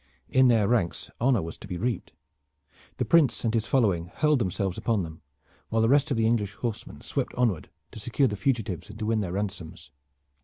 In their ranks honor was to be reaped. The Prince and his following hurled themselves upon them, while the rest of the English horsemen swept onward to secure the fugitives and to win their ransoms.